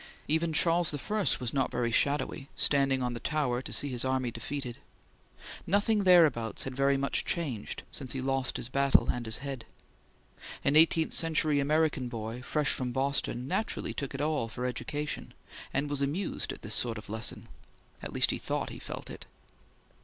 Even Charles the First was not very shadowy, standing on the tower to see his army defeated. Nothing thereabouts had very much changed since he lost his battle and his head. An eighteenth century American boy fresh from Boston naturally took it all for education, and was amused at this sort of lesson. At least he thought he felt it.